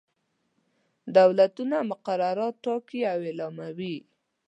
دولتونه مقررات ټاکي او اعلاموي.